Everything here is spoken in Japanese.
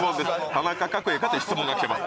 田中角栄かっていう質問が来てます